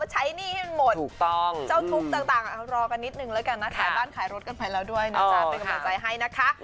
หนูจะเป็นกำลังใจให้นะคะ